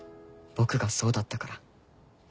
僕がそうだったから。